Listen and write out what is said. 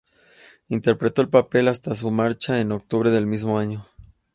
Interpretó el papel hasta su marcha en octubre del mismo año.